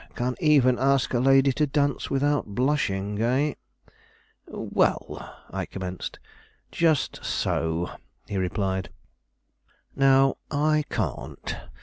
Can even ask a lady to dance without blushing, eh?" "Well, " I commenced. "Just so," he replied; "now, I can't.